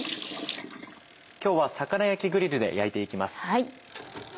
今日は魚焼きグリルで焼いて行きます。